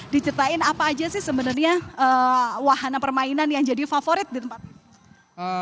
diceritain apa aja sih sebenarnya wahana permainan yang jadi favorit di tempat ini